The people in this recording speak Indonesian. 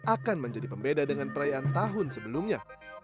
akan menjadi pembeda dengan perayaan tahun sebelumnya